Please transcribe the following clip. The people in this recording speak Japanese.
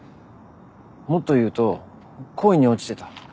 もっと言うと恋に落ちてた。